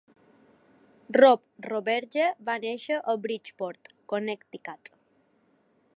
Rob Roberge va néixer a Bridgeport, Connecticut.